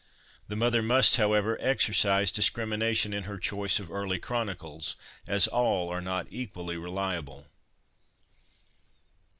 The mother must, however, exercise discrimination in her choice of early ' Chronicles,' as all are not equally reliable.